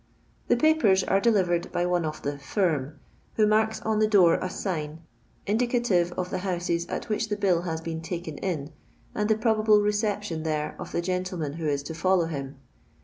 The papers are delivered by one of the firm," who marks on the door a sign indicative of the houses at which the bill has been taken in, and the probable reception there of the gentleman who is to follow him.